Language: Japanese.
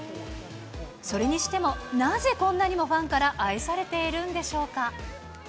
それにしてもなぜ、こんなにもファンから愛されているんでしょうか。